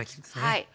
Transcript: はい。